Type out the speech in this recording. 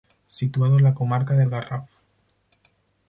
Situado en la comarca del Garraf.